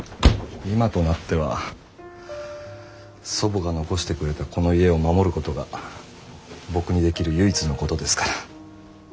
今となっては祖母が残してくれたこの家を守ることが僕にできる唯一のことですから。